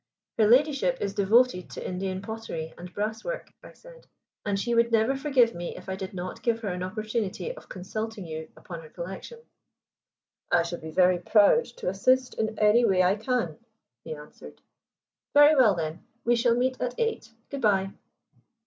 "Her ladyship is devoted to Indian pottery and brass work," I said, "and she would never forgive me if I did not give her an opportunity of consulting you upon her collection." "I shall be very proud to assist in any way I can," he answered. "Very well, then, we shall meet at eight. Good bye."